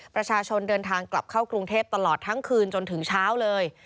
ประชาชนเดินทางกลับเข้ากรุงเทพตลอดทั้งคืนจนถึงเช้าเลย